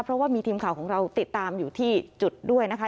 เพราะว่ามีทีมข่าวของเราติดตามอยู่ที่จุดด้วยนะคะ